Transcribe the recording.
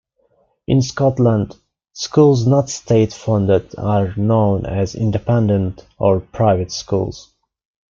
In Scotland, schools not state-funded are known as independent or private schools.